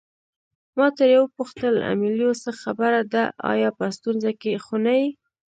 ما ترې وپوښتل امیلیو څه خبره ده آیا په ستونزه کې خو نه یې.